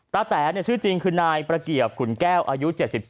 แต๋ชื่อจริงคือนายประเกียบขุนแก้วอายุ๗๒